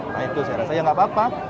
nah itu saya rasa ya nggak apa apa